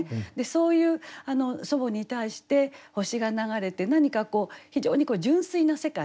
そういう祖母に対して星が流れて何かこう非常に純粋な世界。